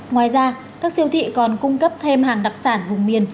ngoài ra các siêu thị còn cung cấp thêm hàng đặc sản vùng miền